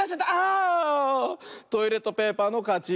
トイレットペーパーのかち。